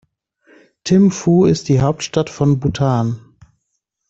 Thimphu ist die Hauptstadt von Bhutan.